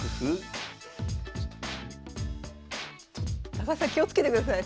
高橋さん気をつけてください。